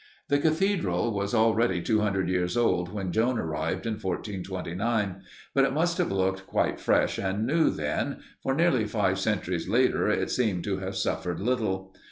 The cathedral was already two hundred years old when Joan arrived in 1429. But it must have looked quite fresh and new, then, for nearly five centuries later it seemed to have suffered little.